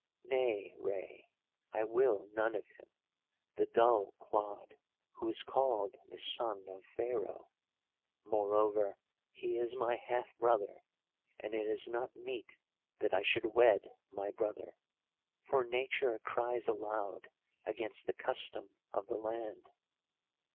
"'Nay, Rei, I will none of him—the dull clod, who is called the son of Pharaoh. Moreover, he is my half brother, and it is not meet that I should wed my brother. For nature cries aloud against the custom of the land.